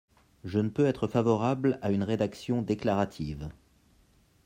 Je ne peux être favorable à une rédaction déclarative.